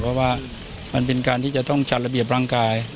เพราะว่ามันเป็นการที่จะต้องจัดระเบียบร่างกาย